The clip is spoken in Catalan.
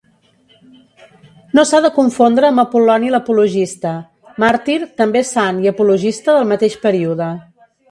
No s'ha de confondre amb Apol·loni l'Apologista, màrtir, també sant i apologista del mateix període.